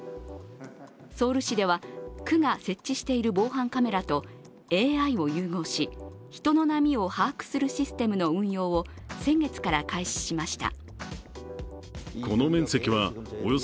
ソウル市では、区が設置している防犯カメラとＡＩを融合し、人の波を把握するシステムの運用を先月から開始しました。